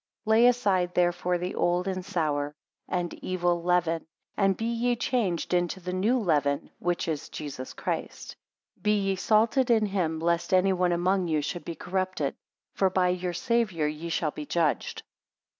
9 Lay aside therefore the old and sour, and evil leaven; and be ye changed into the new leaven, which is Jesus Christ. 10 Be ye salted in him, lest any one among you should be corrupted; for by your Savior ye shall be judged.